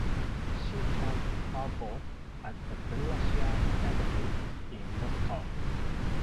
She cast her vote at the Belarusian embassy in Moscow.